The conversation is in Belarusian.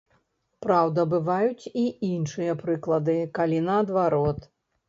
Праўда, бываюць і іншыя прыклады, калі наадварот.